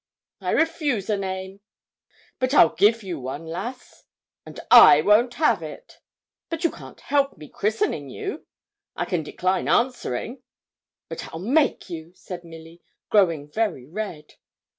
'I refuse a name.' 'But I'll give you one, lass.' 'And I won't have it.' 'But you can't help me christening you.' 'I can decline answering.' 'But I'll make you,' said Milly, growing very red.